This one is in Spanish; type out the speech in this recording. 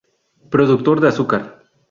Productor de azúcar.